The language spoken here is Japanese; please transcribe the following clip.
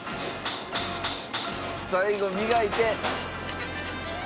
「最後磨いて」